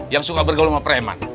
yang suka bergolong sama preman